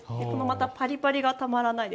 パリパリがたまらないです。